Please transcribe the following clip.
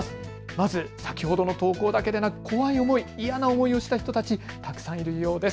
まず先ほどの投稿だけでなく怖い思い、嫌な思いをした人たちたくさんいるようです。